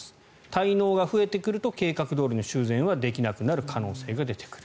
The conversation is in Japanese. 滞納が増えてくると計画どおりの修繕はできなくなる可能性が出てくる。